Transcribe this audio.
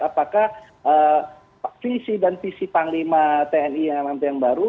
apakah visi dan visi panglima tni yang baru